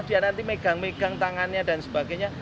dia nanti megang megang tangannya dan sebagainya